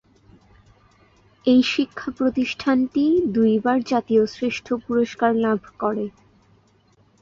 এই শিক্ষা প্রতিষ্ঠানটি দুই বার জাতীয় শ্রেষ্ঠ পুরস্কার লাভ করে।